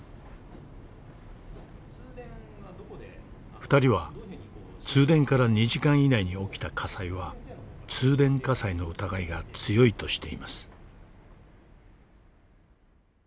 ２人は通電から２時間以内に起きた火災は通電火災の疑いが強いとしています。